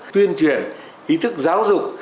tuyên truyền ý thức giáo dục